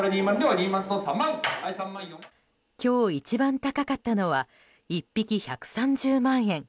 今日、一番高かったのは１匹１３０万円。